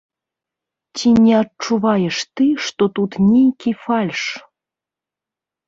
Ці не адчуваеш ты, што тут нейкі фальш?